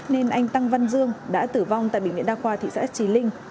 nên anh tăng văn dương đã tử vong tại bệnh viện đa khoa thị xã trí linh